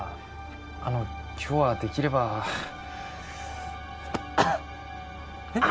あの今日はできればあっえっ？